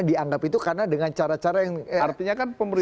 dianggap itu karena dengan cara cara yang